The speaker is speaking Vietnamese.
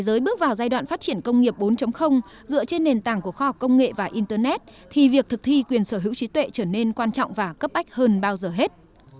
thế giới bước vào giai đoạn phát triển công nghiệp bốn dựa trên nền tảng của khoa học công nghệ và internet thì việc thực thi quyền sở hữu trí tuệ trở nên quan trọng và cấp bách hơn bao giờ hết